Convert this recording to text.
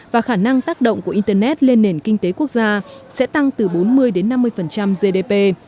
và khả năng tác động của internet lên nền kinh tế quốc gia sẽ tăng từ bốn mươi năm mươi gdp